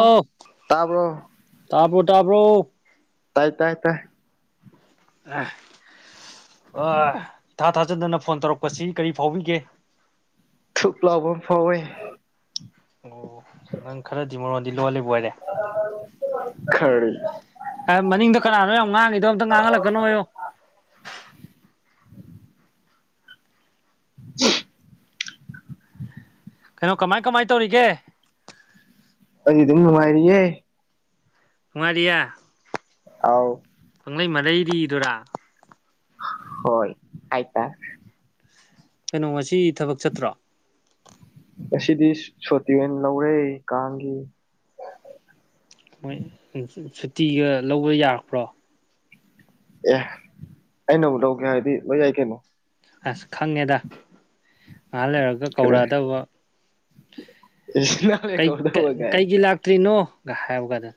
ꯑꯣ ꯇꯥꯕ꯭ꯔꯣ ꯇꯥꯕ꯭ꯔꯣ ꯇꯥꯏ ꯇꯥꯏ ꯇꯥꯏ ꯏꯊꯥ ꯊꯥꯖꯗꯅ ꯐꯣꯟ ꯇꯧꯔꯛꯄꯁꯤ ꯀꯔꯤ ꯐꯥꯎꯕꯤꯒꯦ ꯊꯨꯛ ꯂꯥꯎꯕ ꯑꯃ ꯐꯥꯎꯋꯦ ꯑꯣ ꯅꯪ ꯈꯔꯗꯤ ꯃꯔꯣꯟꯗꯤ ꯂꯣꯜꯂꯤꯕ ꯑꯣꯏꯔꯦ ꯈꯔꯤ ꯑꯥꯏ ꯃꯅꯤꯡꯗ ꯀꯅꯥꯅꯣ ꯌꯥꯝ ꯉꯥꯡꯉꯤꯗꯣ ꯑꯝꯇ ꯉꯥꯡꯍꯜꯂꯛꯀꯅꯣꯌꯨ [inaudible] ꯀꯩꯅꯣ ꯀꯃꯥꯏ ꯀꯃꯥꯏ ꯇꯧꯔꯤꯒꯦ ꯑꯩꯗꯤ ꯑꯗꯨꯝ ꯅꯨꯡꯉꯥꯏꯔꯤꯌꯦ ꯅꯨꯡꯉꯥꯏꯔꯤꯌꯦ ꯑꯧ ꯄꯪꯂꯩ ꯃꯔꯩꯔꯤꯗꯨꯔꯥ ꯍꯣꯏ ꯍꯥꯏ ꯇꯥꯏ ꯀꯩꯅꯣ ꯉꯁꯤ ꯊꯕꯛ ꯆꯠꯇ꯭ꯔꯣ ꯑꯁꯤꯗꯤ ꯁꯣꯇꯤ ꯑꯣꯏꯅ ꯂꯧꯔꯦ ꯀꯥꯡꯒꯤ ꯃꯣꯏ ꯁꯨꯇꯤꯒ ꯂꯧꯕ ꯌꯥꯄ꯭ꯔꯣ ꯑꯦ ꯑꯩꯅꯕꯨꯨꯛ ꯂꯧꯒꯦ ꯍꯥꯏꯗꯤ ꯂꯣꯏ ꯌꯥꯏ ꯀꯩꯅꯣ ꯑꯁ ꯈꯪꯉꯦꯗ ꯉꯍꯥꯟ ꯂꯩꯔꯒ ꯀꯔꯤ ꯀꯧꯔꯛꯑꯗꯕ ꯅꯪꯅ ꯀꯧꯗꯧꯕꯒꯥꯏ ꯀꯩꯒꯤ ꯂꯥꯛꯇ꯭ꯔꯤꯅꯣ ꯒ ꯍꯥꯏꯕ ꯀꯥꯟꯗ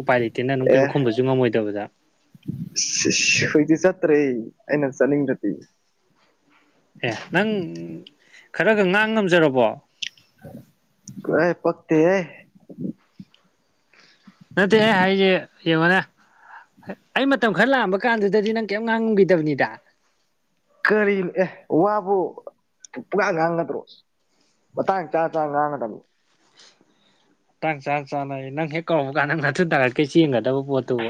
ꯎꯄꯥꯏ ꯂꯩꯇꯦꯅ ꯑꯗꯨꯝ ꯀꯔꯤꯝ ꯈꯨꯝꯕꯁꯨ ꯉꯝꯃꯣꯏꯗꯕꯗ ꯍꯧꯣꯏꯗꯤ ꯆꯠꯇ꯭ꯔꯦ ꯑꯩꯅ ꯆꯠꯅꯤꯡꯗ꯭ꯔꯗꯤ ꯑꯦ ꯅꯪ ꯈꯔꯒ ꯉꯥꯡ ꯉꯝꯖꯔꯕꯣ ꯀꯥꯏ ꯄꯛꯇ ꯑꯦ ꯅꯠꯇꯦ ꯑꯩ ꯍꯥꯏꯖꯦ ꯌꯦꯡꯉꯣꯅꯦ ꯑꯩ ꯃꯇꯝ ꯈꯔ ꯂꯥꯛꯑꯝꯕ ꯀꯥꯟꯗꯨꯗꯗꯤ ꯅꯪ ꯀꯩꯝ ꯉꯥꯡꯉꯝꯈꯤꯗꯕꯅꯤꯗ ꯀꯔꯤꯟ ꯑꯦ ꯋꯥꯕꯨ ꯄꯨꯡꯉꯥꯡ ꯉꯥꯡꯒꯗ꯭ꯔꯣ ꯃꯇꯥꯡ ꯆꯥ ꯆꯥꯅ ꯉꯥꯡꯒꯗꯕꯅꯤ ꯃꯇꯥꯡ ꯆꯥ ꯆꯥꯅꯌꯦ ꯅꯪ ꯍꯦꯛ ꯀꯧꯔꯛꯄ ꯀꯥꯟꯗ ꯅꯪ ꯅꯊꯨꯟ ꯊꯥꯡꯒꯠꯀꯩ ꯆꯦꯟꯒ꯭ꯔꯗꯕ ꯄꯣꯠꯇꯨꯕꯨ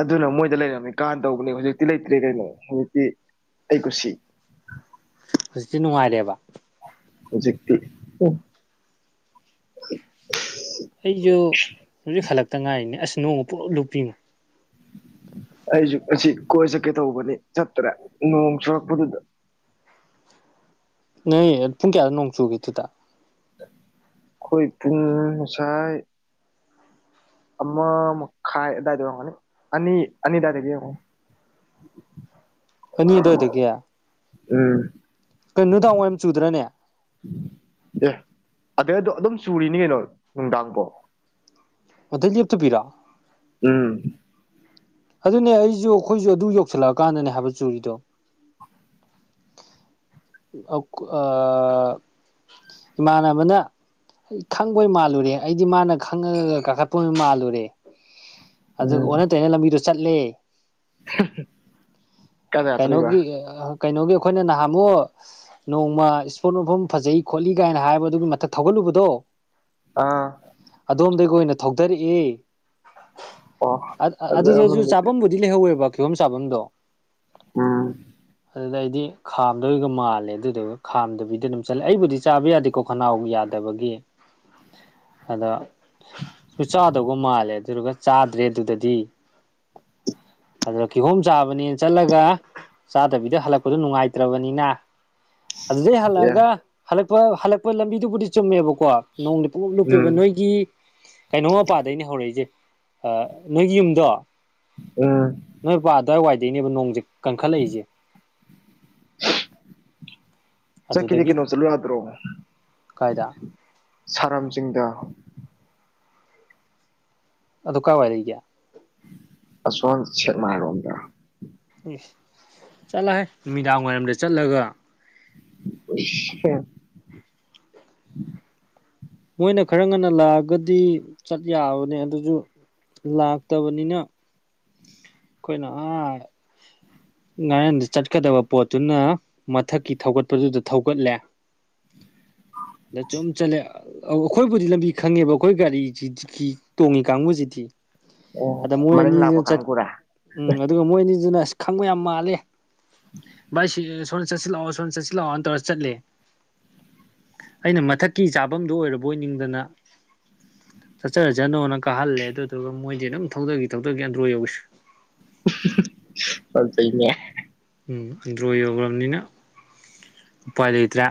ꯑꯗꯨꯅ ꯃꯣꯏꯗ ꯂꯩꯔꯝꯃꯤ ꯀꯥꯟꯅ ꯇꯧꯕꯅꯦ ꯍꯧꯖꯤꯛꯇꯤ ꯂꯩꯇ꯭ꯔꯦ ꯀꯩꯅꯣ ꯍꯧꯖꯤꯛꯇꯤ ꯑꯩ ꯀꯨꯁꯤ ꯍꯧꯖꯤꯛꯇꯤ ꯅꯨꯡꯉꯥꯏꯔꯦꯕꯥ ꯍꯧꯖꯤꯛꯇꯤ ꯄꯨꯝ ꯑꯩꯁꯨ ꯍꯧꯖꯤꯛ ꯍꯜꯂꯛꯇ ꯉꯥꯏꯔꯤꯅꯦ ꯑꯁ ꯅꯣꯡꯅ ꯄꯨꯡꯂꯨꯞ ꯂꯨꯞꯄꯤꯉꯣ ꯑꯩꯁꯨ ꯉꯁꯤ ꯀꯣꯏ ꯆꯠꯀꯦ ꯇꯧꯕꯅꯤ ꯆꯠꯇ꯭ꯔꯦ ꯅꯣꯡ ꯆꯨꯔꯛꯄꯗꯨꯗ ꯅ ꯄꯨꯡ ꯀꯌꯥꯗ ꯅꯣꯡ ꯆꯨꯒꯦꯗꯨꯗ ꯑꯩꯈꯣꯏ ꯄꯨꯡ ꯉꯁꯥꯏ ꯑꯃ ꯃ ꯈ ꯗꯗꯥꯗ ꯋꯥꯉꯅꯤ ꯑꯅꯤ ꯑꯅꯤ ꯗꯗꯥꯗꯒꯤ [unintelligible] ꯍꯅꯤꯗ ꯑꯣꯏꯗ ꯀꯦꯌꯥ ꯎꯝ ꯀꯩꯅꯣꯗꯥꯋꯥꯏꯣꯏꯝ ꯆꯨꯗ꯭ꯔꯅꯦ ꯑꯦ ꯑꯗꯨꯗꯣ ꯑꯗꯨꯝ ꯆꯨꯔꯤꯅꯤ ꯀꯩꯅꯣ ꯅꯨꯡꯗꯥꯡꯕꯣ ꯑꯣꯗꯩ ꯂꯦꯞꯇꯨꯕꯤꯔꯑꯣ ꯎꯝ ꯑꯗꯨꯅꯦ ꯑꯩꯁꯨ ꯑꯩꯈꯣꯏꯁꯨ ꯑꯗꯨ ꯌꯧꯁꯤꯜꯂꯛꯑꯀꯥꯟꯗꯅꯦ ꯍꯥꯏꯕ ꯆꯨꯔꯤꯗꯣ ꯑ ꯏꯃꯥꯟꯅꯕꯅ ꯑꯩ ꯈꯪꯕꯣꯏ ꯃꯥꯜꯂꯨꯔꯦ ꯑꯩꯗꯤ ꯃꯥꯅ ꯈꯪꯉꯒ ꯀꯥꯈꯠꯄ ꯃꯥꯜꯂꯨꯔꯦ ꯑꯗꯨꯒ ꯎꯝ ꯑꯣꯟꯅ ꯇꯩꯅ ꯂꯝꯕꯤꯗꯣ ꯆꯠꯂꯦ [inaudible] ꯀꯩꯅꯣꯒꯤ ꯀꯩꯅꯣꯒꯤ ꯑꯩꯈꯣꯏꯅ ꯅꯍꯥꯝꯃꯣ ꯅꯣꯡꯃ ꯏꯁꯄꯣꯔꯠ ꯃꯐꯝ ꯐꯖꯩ ꯈꯣꯠꯂꯤ ꯀꯥꯏꯅ ꯍꯥꯏꯕ ꯑꯗꯨꯒꯤ ꯃꯊꯛ ꯊꯧꯒꯠꯂꯨꯕꯗꯣ ꯑꯥ ꯑꯗꯣꯝꯗꯒꯤ ꯑꯣꯏꯅ ꯊꯧꯊꯔꯛꯏ ꯑꯣ ꯑꯗꯨꯗ ꯑꯃ ꯑꯗꯨꯗꯁꯨ ꯅꯨꯃꯤꯠꯇꯤ ꯆꯥꯐꯝꯕꯨ ꯀꯗꯤ ꯂꯩꯍꯧꯋꯦꯕ ꯐꯤꯕꯝ ꯆꯥꯐꯝꯗꯣ ꯎꯝ ꯑꯗꯨꯗ ꯑꯩꯗꯤ ꯈꯥꯝꯗꯣꯏꯒ ꯃꯥꯜꯂꯦ ꯑꯗꯨꯗꯨꯒ ꯈꯥꯝꯗꯕꯤꯗ ꯑꯗꯨꯝ ꯆꯠꯂꯦ ꯑꯩꯕꯨꯗꯤ ꯆꯥꯕ ꯌꯥꯗꯦꯀꯣ ꯈꯅꯥꯎ ꯌꯥꯗꯕꯒꯤ ꯑꯗ ꯁ ꯆꯥꯗꯧꯕ ꯃꯥꯜꯂꯦ ꯑꯗꯨꯔꯒ ꯆꯥꯗ꯭ꯔꯦ ꯑꯗꯨꯗꯗꯤ ꯑꯗꯨꯗ ꯀꯤꯍꯣꯝ ꯆꯥꯕꯅꯤ ꯆꯠꯂꯒ ꯆꯥꯗꯕꯤꯗ ꯍꯜꯂꯛꯄꯗ ꯅꯨꯡꯉꯥꯏꯇ꯭ꯔꯕꯅꯤꯅ ꯑꯗꯨꯗꯩ ꯑꯦ ꯍꯜꯂꯛꯑꯒ ꯍꯜꯂꯛꯄ ꯍꯜꯂꯛꯄ ꯂꯝꯕꯤꯗꯨꯕꯨꯗꯤ ꯆꯨꯝꯃꯦꯕꯀꯣ ꯅꯣꯡꯗꯤ ꯄꯂꯞ ꯂꯨꯞꯄꯦꯕ ꯎꯝ ꯅꯣꯏꯒꯤ ꯀꯩꯅꯣ ꯃꯄꯥꯗꯩꯅꯦ ꯍꯧꯔꯛꯏꯁꯦ ꯅꯣꯏꯒꯤ ꯌꯨꯝꯗꯣ ꯎꯝ ꯅꯣꯏꯄꯥ ꯑꯗꯨꯋꯥꯏ ꯋꯥꯏꯗꯩꯅꯦꯕ ꯅꯣꯡꯁꯦ ꯀꯟꯈꯠꯂꯛꯏꯁꯦ ꯆꯠꯈꯤꯗꯤ ꯑꯗꯨꯗꯒꯤ ꯀꯩꯅꯣ ꯆꯠꯂꯨ ꯌꯥꯗ꯭ꯔꯣ ꯀꯥꯏꯗ ꯁꯥꯔꯝꯁꯤꯡꯤꯡꯗ ꯑꯗꯨ ꯀꯥꯏꯋꯥꯏꯗ ꯂꯩ ꯀꯌꯥ ꯑꯁꯣꯟ ꯁꯠꯅ ꯍꯥꯏꯔꯣꯝꯗ ꯎꯝ ꯆꯠꯂꯍꯦ ꯅꯨꯃꯤꯗꯥꯡ ꯋꯥꯏꯔꯝꯗ ꯆꯠꯂꯒ [unintelligible] ꯃꯣꯏꯅ ꯈꯔ ꯉꯟꯅ ꯂꯥꯛꯑꯒꯗꯤ ꯆꯠ ꯌꯥꯕꯅꯦ ꯑꯗꯨꯁꯨ ꯂꯥꯛꯇꯕꯅꯤꯅ ꯑꯩꯈꯣꯏꯅ ꯑꯥ ꯉꯥꯔꯦꯟꯗ ꯆꯠꯀꯗꯕ ꯄꯣꯠꯇꯨꯅ ꯃꯊꯛꯀꯤ ꯊꯧꯒꯠꯄꯗꯨꯗ ꯊꯧꯒꯠꯂꯦ ꯆꯝ ꯆꯦ ꯑꯩꯈꯣꯏꯕꯨꯗꯤ ꯂꯝꯕꯤ ꯈꯪꯉꯦꯕ ꯑꯩꯈꯣꯏ ꯒꯥꯔꯤꯁꯤ ꯇꯣꯡꯉꯤ ꯀꯥꯡꯕꯨꯁꯤꯗꯤ ꯑꯣ ꯑꯗ ꯃꯣꯏꯅꯤ ꯃꯅꯤꯡ ꯂꯥꯛꯄ ꯆꯠ ꯀꯥꯡꯒꯨꯔꯥ ꯎꯝ ꯑꯗꯨꯒ ꯃꯣꯏ ꯑꯅꯤꯗꯨꯅ ꯈꯪꯕ ꯌꯥꯝ ꯃꯥꯜꯂꯦ ꯚꯥꯏ ꯁꯤ ꯁꯣꯝꯅ ꯆꯠꯁꯤꯜꯂꯛꯑꯣ ꯁꯣꯝꯅ ꯆꯠꯁꯤꯜꯂꯛꯑꯣꯅ ꯇꯧꯔꯒ ꯆꯠꯂꯦ ꯑꯩꯅ ꯃꯊꯛꯀꯤ ꯃꯐꯝꯗꯨ ꯑꯣꯏꯔꯕ ꯑꯣꯏꯅꯤꯡꯗꯅ ꯆꯠꯆꯔꯁꯅꯣꯅ ꯀꯥꯍꯜꯂꯦ ꯑꯗꯨꯗꯨꯒ ꯃꯣꯏ ꯁꯤ ꯑꯗꯨꯝ ꯊꯧꯒꯈꯤ ꯊꯧꯗꯈꯤ ꯑꯗ꯭ꯔꯣ ꯌꯧꯏꯁꯤ ꯍ ꯏꯅꯦ ꯎꯝ ꯑꯟꯗ꯭ꯔꯣ ꯌꯧꯈ꯭ꯔꯕꯅꯤꯅ ꯎꯄꯥꯏ ꯂꯩꯇ꯭ꯔꯦ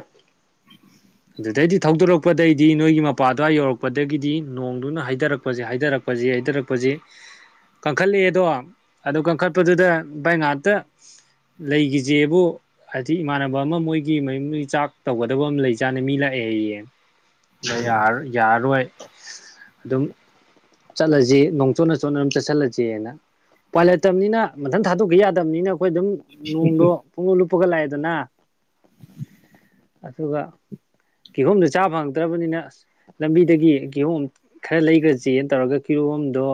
ꯑꯗꯨꯗꯩꯗꯤ ꯊꯧꯗꯣꯔꯛꯄꯗꯒꯤꯩꯗꯤ ꯅꯣꯏꯒꯤ ꯃꯄꯥꯗꯨꯋꯥꯏ ꯌꯧꯔꯛꯄꯗꯒꯤꯗꯤ ꯅꯣꯡꯗꯨꯅ ꯍꯥꯏꯊꯔꯛꯄꯁꯦ ꯍꯥꯏꯊꯔꯛꯄ ꯄꯁꯤ ꯍꯥꯏꯩꯊꯔꯛꯄꯁꯤ ꯀꯟꯈꯠꯂꯛꯑꯦꯗꯣ ꯑꯗꯨ ꯀꯟꯈꯠꯄꯗꯨꯗ ꯚꯥꯏ ꯉꯥꯛꯇ ꯂꯩꯈꯤꯁꯦꯕꯨ ꯍꯥꯏꯗꯤ ꯏꯃꯥꯟꯅꯕ ꯑꯃ ꯃꯣꯏꯒꯤ ꯃꯌ ꯃꯩ ꯆꯥꯛ ꯇꯧꯒꯗꯕ ꯑꯃ ꯂꯩꯖ ꯏꯆꯥꯥꯅ ꯃꯤ ꯂꯥꯛꯑꯦꯌꯦ ꯌꯥꯔꯔꯣꯏ ꯑꯗꯨꯝ ꯆꯠꯂꯁꯤ ꯅꯣꯡ ꯆꯣꯠꯅ ꯆꯣꯠꯅ ꯑꯗꯨꯝ ꯆꯠꯁꯤꯜꯂꯁꯤꯅ ꯄꯥꯏꯂꯠꯇꯕꯅꯤꯅ ꯃꯊꯪ ꯊꯥꯗꯣꯛꯀ ꯌꯥꯗꯕꯅꯤꯅ ꯑꯩꯈꯣꯏ ꯑꯗꯨꯝ ꯅꯣꯡꯗꯣ ꯄꯨꯡꯂ ꯂꯨꯞꯄꯒ ꯂꯥꯛꯑꯦꯗꯅ ꯑꯗꯨꯒ ꯀꯤꯍꯣꯝꯗ ꯆꯥꯕ ꯐꯪꯗ꯭ꯔꯕꯅꯤꯅ ꯑ ꯂꯝꯕꯤꯗꯒꯤ ꯀꯤꯍꯣꯝ ꯈꯔ ꯂꯩꯒ ꯆꯦ ꯇꯧꯔꯒ ꯀꯤꯔꯣꯝꯗꯣ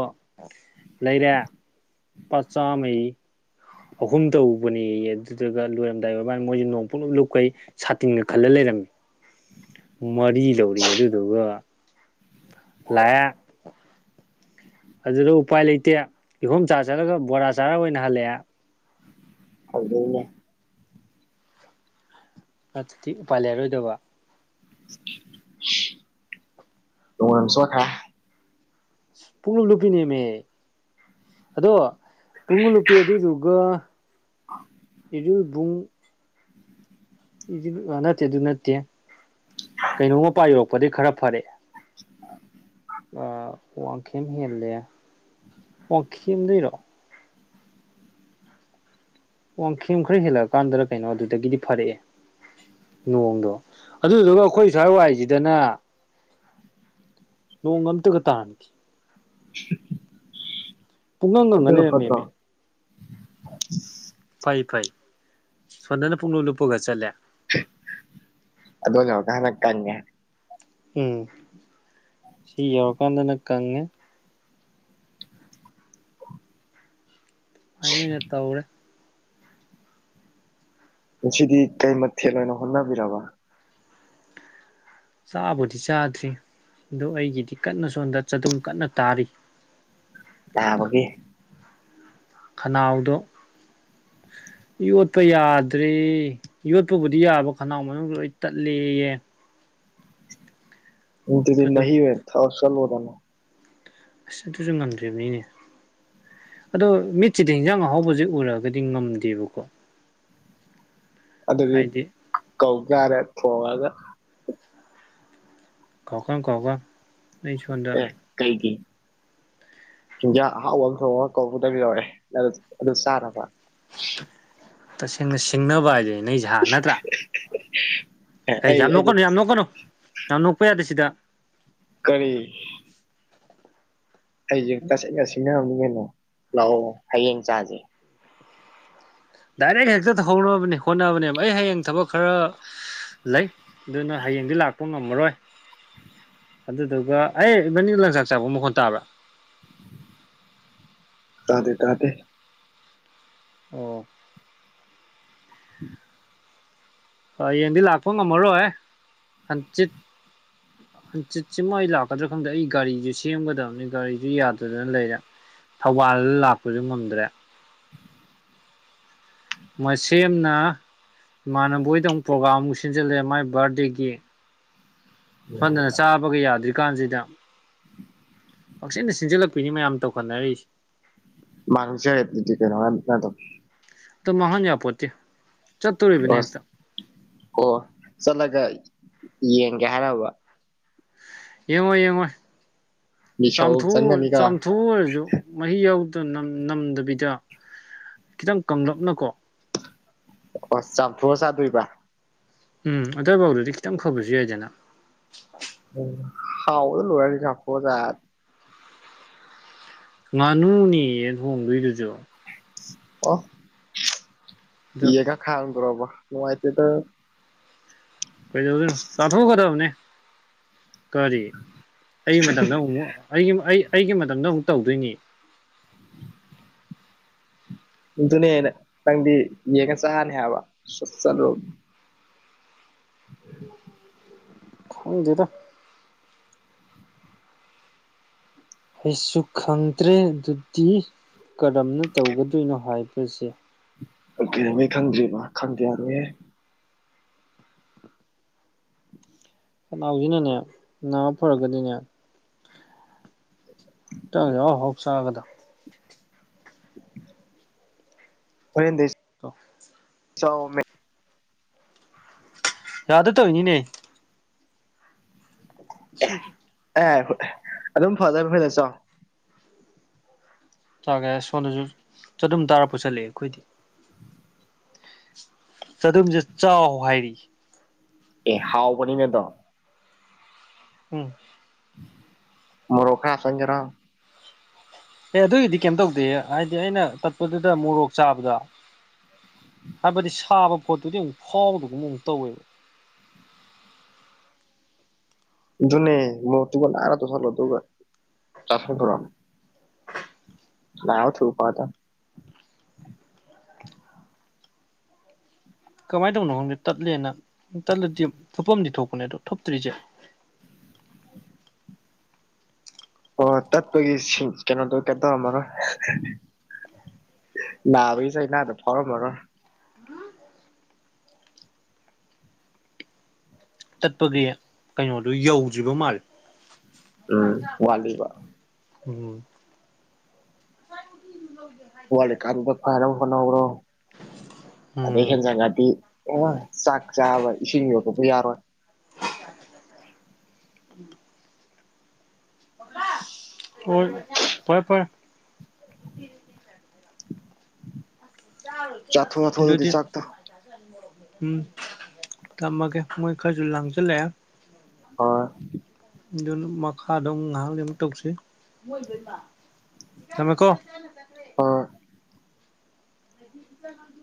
ꯂꯩꯔꯦ ꯂꯨꯄꯥ ꯆꯥꯝꯃꯩ ꯑꯍꯨꯝ ꯇꯧꯕꯅꯦ ꯑꯗꯨꯗꯨꯒ ꯂꯣꯏꯔꯝꯗꯥꯏ ꯃꯕꯥꯅ ꯃꯣꯏꯁꯨ ꯅꯣꯡ ꯄꯨꯂꯞ ꯂꯨꯞ ꯀꯩ ꯁꯥꯇꯤꯡꯅ ꯈꯜꯂ ꯂꯩꯔꯝꯃꯤ ꯃꯔꯤ ꯂꯧꯔꯤ ꯑꯗꯨꯗꯨꯒ ꯂꯥꯛ ꯑꯗꯨꯗ ꯎꯄꯥꯏ ꯂꯩꯇꯦ ꯏꯈꯣꯝ ꯆꯥ ꯆꯠꯂꯒ ꯕꯣꯔꯥ ꯆꯥꯔ ꯑꯣꯏꯅ ꯍꯜꯂꯛꯑꯦ ꯐꯗꯅꯦ ꯑꯠ ꯊꯤ ꯎ ꯄꯄꯥꯜ ꯂꯩꯔꯣꯏꯗꯕ ꯇꯣꯡꯥꯡꯁꯣ ꯊꯥ ꯄꯣꯛꯂ ꯅꯨꯄꯤꯅꯦꯦꯝꯃꯦ ꯑꯗꯣ ꯄꯨꯡ ꯂꯨꯄꯤ ꯑꯗꯨꯗꯨꯒ ꯏꯕꯨꯡ ꯅꯠꯇꯦ ꯑꯗꯨ ꯅꯠꯇꯦ ꯀꯩꯅꯣꯝ ꯃꯄꯥ ꯌꯧꯔꯛꯄꯗꯒꯤꯩ ꯈꯔ ꯐꯔꯛꯦꯑꯦ ꯋꯥꯡꯈꯦꯝ ꯍꯦꯜꯂꯦ ꯋꯥꯡꯈꯦꯝ ꯂꯩꯔꯣ ꯋꯥꯡꯈꯦꯝ ꯈꯔ ꯍꯦꯜꯂꯛꯑ ꯀꯥꯟꯗ ꯀꯩꯅꯣ ꯑꯗꯨꯗꯒꯤꯗꯤ ꯐꯔꯛꯑꯦ ꯅꯣꯡꯗꯣ ꯑꯗꯨꯗꯨꯒ ꯑꯩꯈꯣꯏ ꯁ꯭ꯋꯥꯏ ꯋꯥꯏꯁꯤꯗꯅ ꯅꯣꯡ ꯑꯃꯝꯇꯒ ꯇꯥꯟꯍꯈꯤ [inaudible] ꯄꯨꯨꯡꯣꯣꯅ ꯑꯗꯨꯅ ꯂꯩꯦ ꯐꯠꯇ꯭ꯔꯣ ꯃꯦꯝꯃꯦ ꯐꯩ ꯐꯩ ꯁꯣꯗꯅ ꯄꯨꯡꯂꯣ ꯂꯨꯞꯄꯒ ꯆꯠꯂꯦ ꯑꯗꯅꯦꯒꯅ ꯀꯪꯦ ꯎꯝ ꯁꯤ ꯌꯧꯔꯀꯥꯟꯗꯅ ꯀꯪꯉꯦ ꯑꯩꯅ ꯑꯣꯏꯅ ꯇꯧꯔꯦ ꯉꯁꯤꯗꯤ ꯀꯩ ꯃꯊꯦꯜꯠ ꯑꯣꯏꯅ ꯍꯣꯠꯅꯕꯤꯔꯕ ꯆꯥꯕꯨꯗꯤ ꯆꯥꯗ꯭ꯔꯤ ꯑꯣ ꯑꯩꯒꯤꯗꯤ ꯀꯟꯅ ꯁꯣꯟꯗ ꯆꯗꯨꯝ ꯀꯟꯅ ꯇꯥꯔꯤ ꯂꯕꯒꯦ ꯈꯅꯥꯎꯗꯣ ꯌꯣꯠꯄ ꯌꯥꯗ꯭ꯔꯔꯤ ꯌꯣꯠꯄꯕꯨꯗꯤ ꯌꯥꯕ ꯈꯅꯥꯎ ꯃꯅꯨꯡ ꯂꯣꯏ ꯇꯠꯂꯌꯦ ꯑꯗꯨ ꯎꯇꯗꯤꯅ ꯑꯗꯨꯝ ꯑꯣꯏ ꯊ ꯀꯜ ꯑꯣꯏꯣꯗꯅ ꯉꯅꯠꯇꯣꯁꯨꯨꯝ ꯉꯥꯟꯖꯦꯩꯅꯦ ꯑꯗꯣ ꯃꯤꯠꯁꯤꯗ ꯍꯟꯖꯥꯡ ꯑꯍꯥꯎꯕꯁꯦ ꯎꯔꯛꯑꯒꯗꯤ ꯉꯝꯗꯦꯕꯀꯣ ꯑꯗꯨꯗꯤ ꯍꯥꯏꯗꯤ ꯀꯧꯀꯔꯦ ꯊꯣꯡꯉꯒ ꯀꯀ ꯀꯀ ꯑꯦ ꯀꯩꯒꯤ ꯆꯤꯟꯖꯥꯛ ꯑꯍꯥꯎꯕ ꯑꯃ ꯊꯣꯛꯣꯡꯑꯒ ꯀꯧꯗꯕ ꯌꯥꯧꯔꯛꯦ ꯑꯗꯨ ꯆꯥꯅꯕ ꯇꯁꯦꯡꯅ ꯁꯤꯡꯅꯕ ꯍꯥꯏꯁꯦ ꯅꯣꯏꯁꯍꯥ ꯅꯠꯇ꯭ꯔꯥ [inaudible] ꯑꯩ ꯌꯥꯝ ꯅꯣꯛꯀꯅꯨ ꯌꯥꯝ ꯅꯣꯛꯀꯅꯨ ꯌꯥꯝ ꯅꯣꯛꯄ ꯌꯥꯗꯦ ꯁꯤꯗ ꯀꯔꯤ ꯑꯩꯁꯦ ꯇꯁꯦꯡꯅ ꯁꯤꯟꯅꯝꯅꯤꯅ ꯂꯥꯛꯑꯣ ꯍꯌꯦꯡ ꯆꯥꯁꯦ ꯗꯥꯏꯔꯦꯛ ꯍꯦꯛꯇ ꯇꯧꯍꯧꯅꯕꯅꯦ ꯍꯣꯠꯅꯕꯅꯦꯕ ꯑꯩ ꯍꯌꯦꯡ ꯊꯕꯛ ꯈꯔ ꯂꯩ ꯑꯗꯨꯅ ꯍꯌꯦꯡꯗꯤ ꯂꯥꯛꯄ ꯣꯛ ꯉꯝꯃꯔꯣꯏ ꯑꯗꯨꯗꯨꯒ ꯑꯩ ꯏꯚꯅꯤ ꯂꯪꯆꯥꯛ ꯆꯥꯄ ꯃꯈꯣꯟ ꯇꯥꯕ꯭ꯔꯥ ꯇꯥꯗꯦ ꯇꯥꯗꯦ ꯑꯣ ꯎꯝ ꯌꯦꯡꯗꯤ ꯂꯥꯛꯄ ꯉꯝꯃꯔꯣꯏ ꯍꯟꯆꯤꯠ ꯍꯪꯆꯤꯠꯁꯤꯃ ꯑꯩ ꯂꯥꯛꯀꯗ꯭ꯔꯥ ꯈꯪꯗꯦ ꯑꯩ ꯒꯥꯔꯤꯁꯨ ꯁꯦꯝꯒꯗꯕꯅꯤ ꯒꯥꯔꯤꯁꯨ ꯌꯥꯗꯗꯅ ꯂꯩꯔꯦ ꯊꯧꯕꯥꯜ ꯂꯥꯛꯄꯁꯨ ꯉꯝꯗ꯭ꯔꯦ ꯃꯁꯦꯝꯅ ꯏꯃꯥꯟꯅꯕꯣꯏꯗ ꯑꯃꯨꯛ ꯄ꯭ꯔꯣꯒꯥ꯭ꯔꯝꯃꯨꯛ ꯁꯤꯟꯖꯜꯂꯛꯑꯦ ꯃꯥꯏ ꯕꯥꯔꯗꯦꯒꯤ ꯁꯣꯟꯗꯅ ꯆꯥꯕꯒ ꯌꯥꯗ꯭ꯔꯤ ꯀꯥꯟꯁꯤꯗ ꯄꯥꯛꯆꯟꯅ ꯁꯤꯟꯖꯜꯂꯛꯄꯤꯅꯤ ꯃꯌꯥꯝ ꯇꯧꯈꯠꯅꯔꯤꯛꯁꯦ ꯃꯥꯡꯁ ꯇꯀꯦꯅꯇ ꯇ ꯃꯍꯥꯟ ꯌꯥꯄꯣꯠꯇꯦ ꯆꯠꯇꯣꯔꯤꯕꯅꯤ ꯑꯣꯁ ꯍꯦꯛꯇ ꯑꯣ ꯆꯠꯂꯒ ꯌꯦꯡꯒꯦ ꯍꯥꯏꯔꯕ ꯌꯦꯡꯉꯣ ꯌꯦꯡꯉꯣꯏ ꯃꯤꯁꯧ ꯆꯝꯊꯨ ꯆꯪꯒꯅꯤꯒ ꯆꯝꯊ ꯊꯊꯨ ꯑꯣꯏꯔꯁꯨ ꯃꯍꯤ ꯌꯥꯎꯗꯅ ꯅꯝꯗꯕꯤꯗ ꯈꯤꯇꯪ ꯀꯪꯂꯞꯅꯀꯣ ꯄ ꯆ ꯊꯑꯁꯥ ꯑꯗꯨꯏꯕ ꯎꯝ ꯑꯗꯨꯋꯥꯏꯐꯥꯎꯗꯗꯤ ꯈꯤꯇꯪ ꯐꯕꯁꯨ ꯌꯥꯏꯗꯅ ꯍꯥꯎ ꯂꯍ ꯊꯄꯗ ꯉꯥꯅꯨꯅꯦꯌꯦ ꯊꯣꯡꯗꯣꯏꯗꯨꯁꯨ ꯑ ꯑꯗ ꯏꯀ ꯈꯗꯔꯕ ꯅꯅꯨꯡꯉꯥꯏꯠꯇ ꯀꯩꯗꯧꯗꯣꯏꯅꯣ ꯂꯥꯊꯣꯛꯀꯗꯕꯅꯤ ꯀꯔꯤ ꯑꯩ ꯃꯇꯝꯗꯪ ꯑꯃꯨꯛꯛ ꯑꯩꯒꯤ ꯑꯩ ꯑꯩꯒꯤ ꯃꯇꯝꯗ ꯑꯃꯨꯛ ꯇꯧꯗꯣꯏꯅꯤ ꯑꯗꯨꯗꯨꯅꯦꯦ ꯅꯪꯗꯤ ꯌꯦꯡꯉ ꯆꯍꯅꯤ ꯍꯥꯏꯕ ꯆꯠ ꯆꯠꯂꯨ ꯍꯗꯤꯦ ꯇ ꯑꯩꯁꯨ ꯈꯪꯗ꯭ꯔꯦ ꯑꯗꯨꯗꯤ ꯀꯔꯝꯅ ꯇꯧꯒꯗꯣꯏꯅꯣ ꯍꯥꯏꯕꯁꯦ ꯀꯩꯩꯅꯃꯩ ꯈꯪꯗ꯭ꯦꯕ ꯈꯪꯗꯦ ꯌꯥꯔꯣꯏꯍꯦ ꯈꯅꯥꯎꯁꯤꯅꯅꯦ ꯅꯥ ꯐꯔꯒꯗꯤꯅꯦ ꯇꯪꯦ ꯍꯣꯞꯁꯥꯒꯗ ꯐꯣꯏꯦꯟꯗꯦꯁ ꯇ ꯆꯥꯎꯝꯃꯦ ꯌꯥꯗ ꯇꯣꯏꯅꯤꯅꯦ ꯊꯦꯡꯀꯤꯌꯨ ꯑꯦ ꯍꯣꯏ ꯑꯗꯨꯝ ꯐꯗꯕ ꯐꯣꯏꯗꯠ ꯆꯣ ꯆꯥꯦ ꯁꯣꯗꯁꯨ ꯆ ꯑꯗꯨꯝ ꯇꯥꯔꯛꯄ ꯆꯠꯂꯛꯑꯦ ꯑꯩꯈꯣꯏꯗꯤ ꯆꯗꯨꯝꯁꯦ ꯆꯥꯎ ꯍꯥꯏꯔꯤ ꯑꯦ ꯍꯥꯎꯕꯅꯤꯅꯗꯣ ꯎꯝ ꯃꯔꯣꯈꯁꯪꯖꯔ ꯑꯦ ꯑꯗꯨꯒꯤꯗꯤ ꯀꯩꯝ ꯇꯧꯗꯦ ꯍꯥꯏꯗꯤ ꯑꯩꯅ ꯇꯠꯄꯗꯨꯗ ꯃꯣꯔꯣꯛ ꯆꯥꯕꯗ ꯍꯥꯏꯕꯗꯤ ꯁꯥꯕ ꯄꯣꯠꯇꯨꯗꯤ ꯑꯃꯨꯛ ꯐꯥꯎꯕꯗꯨꯒꯨꯝ ꯑꯃꯨꯛ ꯇꯧꯋꯦꯕ ꯑꯗꯨꯨꯅꯦ ꯃ ꯇꯨꯡꯒꯅꯔꯥ ꯇ ꯊꯂꯣ ꯇ ꯆ ꯊ ꯂꯥꯎ ꯊ ꯎ ꯄꯇ ꯀꯃꯥꯏꯅ ꯇꯧꯅꯣ ꯈꯪꯗꯦ ꯇꯠꯂꯦꯅ ꯇꯠꯂꯗꯤ ꯊꯨꯞꯐꯝꯗꯤ ꯊꯣꯛꯄꯅꯦ ꯑꯗꯣ ꯊꯨꯞꯇ꯭ꯔꯤꯁꯦ ꯑꯣ ꯇꯠꯄꯒꯤ ꯀꯩꯅꯣꯗ ꯇꯧꯔꯝꯃꯔꯣꯏ ꯅꯥꯕꯁꯅꯅꯥꯗ ꯐꯔꯝ ꯐꯔꯣ ꯇꯠꯄꯒꯤ ꯀꯩꯅꯣꯗꯨ ꯌꯧꯗ꯭ꯔꯤꯕ ꯃꯥꯜꯂꯦ ꯎꯝ ꯋꯥꯗꯜꯕ ꯎꯝ ꯋꯥꯔ ꯀꯝꯗ ꯐꯥꯏꯔ ꯐꯅ꯭ꯔꯣ ꯎꯝ ꯑꯦꯟꯖꯒꯥꯗꯤꯤ ꯑꯣ ꯆ ꯁꯥꯥꯛꯥꯕ ꯏꯁꯤꯅꯤ ꯌ ꯄꯨ ꯌꯥꯔꯣꯏ ꯎꯝ ꯑꯣ ꯐꯔꯦ ꯐꯔ ꯆꯥꯊꯣꯛ ꯆꯥꯊꯣꯛ ꯑꯗꯨꯗꯤ ꯗꯤ ꯆꯥꯛꯇꯣ ꯎꯝ ꯇꯝꯃꯒꯦ ꯃꯣꯏ ꯈꯔꯁꯨ ꯂꯥꯡꯁꯤꯜꯂꯛꯑꯦ ꯍ ꯑꯗꯨꯅ ꯃꯈꯥꯗꯣ ꯉꯥꯏꯍꯥꯛꯝ ꯇꯧꯁꯤ ꯇꯃꯦ ꯀꯣ ꯑ ꯑꯗꯨ